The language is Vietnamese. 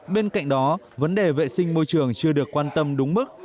bên cạnh đó vấn đề vệ sinh môi trường chưa được quan tâm đúng mức